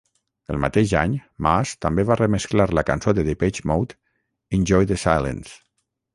El mateix any, Maas també va remesclar la cançó de Depeche Mode "Enjoy the Silence".